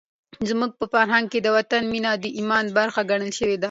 زموږ په فرهنګ کې د وطن مینه د ایمان برخه ګڼل شوې ده.